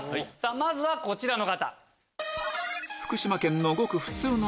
まずはこちらの方。